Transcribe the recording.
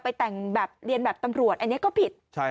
แต่งแบบเรียนแบบตำรวจอันนี้ก็ผิด